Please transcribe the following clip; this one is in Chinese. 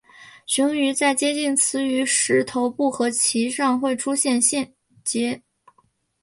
雄鱼在接近雌鱼时头部和鳍上会出现结节。